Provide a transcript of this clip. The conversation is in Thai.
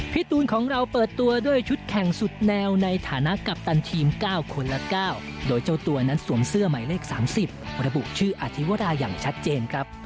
ตูนของเราเปิดตัวด้วยชุดแข่งสุดแนวในฐานะกัปตันทีม๙คนละ๙โดยเจ้าตัวนั้นสวมเสื้อหมายเลข๓๐ระบุชื่ออธิวราอย่างชัดเจนครับ